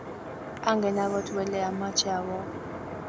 angen agot wele amoche awook